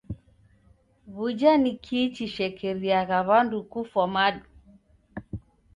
W'uja ni kii chishekeriagha w'andu kufwa madu?